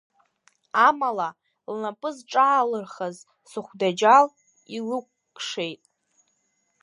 Амала, лнапы зҿаалырхаз сыхәдаџьал илықәкшеит.